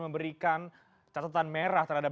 memberikan catatan merah terhadap